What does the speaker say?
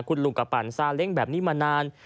คุณลุงกระปั่นซาเล้งแบบนี้มานาน